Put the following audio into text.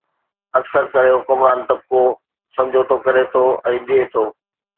اڪثر ڪري حڪمران طبقو سمجھوتو ڪري ٿو ۽ ڏئي ٿو.